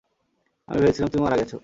আমি ভেবেছিলাম তুমি মারা গেছ!